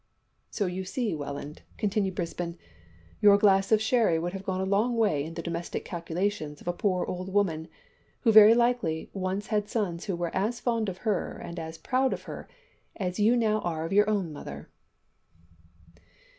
"So, you see, Welland," continued Brisbane, "your glass of sherry would have gone a long way in the domestic calculations of a poor old woman, who very likely once had sons who were as fond of her and as proud of her, as you now are of your own mother."